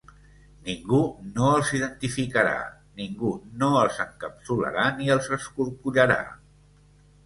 Ningú no els identificarà, ningú no els encapsularà ni els escorcollarà.